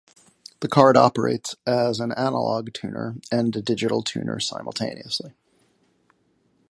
The card operates as an analog tuner and a digital tuner simultaneously.